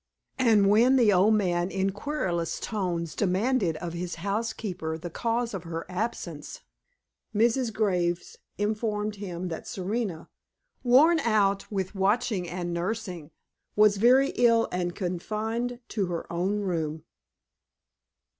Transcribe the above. And when the old man in querulous tones demanded of his housekeeper the cause of her absence, Mrs. Graves informed him that Serena, worn out with watching and nursing, was very ill and confined to her own room.